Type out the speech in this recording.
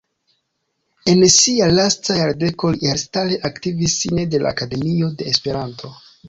En sia lasta jardeko li elstare aktivis sine de la Akademio de Esperanto.